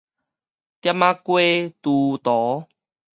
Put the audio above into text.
店仔街豬屠